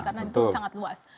karena itu sangat luas